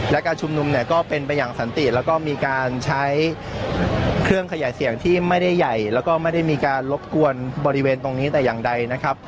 และการชุมนุมเนี่ยก็เป็นไปอย่างสันติแล้วก็มีการใช้เครื่องขยายเสียงที่ไม่ได้ใหญ่แล้วก็ไม่ได้มีการรบกวนบริเวณตรงนี้แต่อย่างใดนะครับ